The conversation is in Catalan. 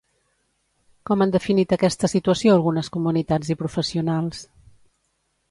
Com han definit aquesta situació algunes comunitats i professionals?